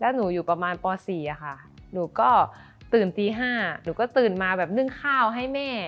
หนูอยู่ประมาณป๔ค่ะหนูก็ตื่นตี๕หนูก็ตื่นมาแบบนึ่งข้าวให้แม่